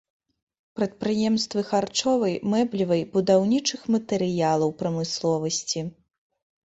Прадпрыемствы харчовай, мэблевай, будаўнічых матэрыялаў прамысловасці.